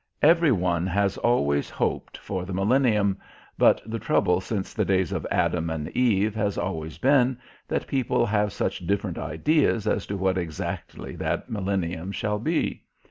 Every one has always hoped for the millennium, but the trouble since the days of Adam and Eve has always been that people have such different ideas as to what exactly that millennium shall be.